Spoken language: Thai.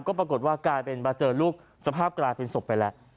ก็ปรากฏว่ากลายเป็นมาเจอลูกสภาพกลายเป็นศพไปแล้ว